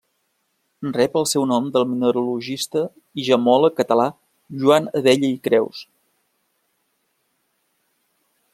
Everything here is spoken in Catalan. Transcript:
Rep el seu nom del mineralogista i gemmòleg català Joan Abella i Creus.